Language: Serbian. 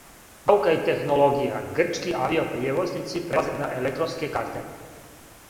Наука и технологија: грчки авиопријевозници прелазе на електронске карте